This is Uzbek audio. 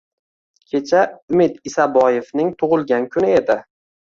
Kecha Umid Isaboevning tug'ilgan kuni edi